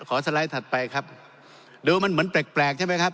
สไลด์ถัดไปครับดูมันเหมือนแปลกแปลกใช่ไหมครับ